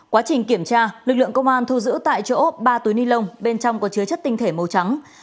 quá trình kiểm tra lực lượng công an thu giữ tại chỗ ba túi ni lông bên trong có chứa chất tinh thể màu trắng